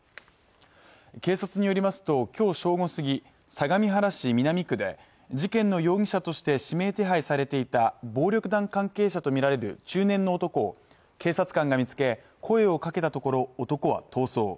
警察によりますと、今日正午過ぎ相模原市南区で事件の容疑者として指名手配されていた暴力団関係者とみられる中年の男を警察官が見つけ声をかけたところ、男は逃走。